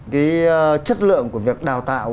cái chất lượng của việc đào tạo